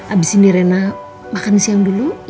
abis ini rena makan siang dulu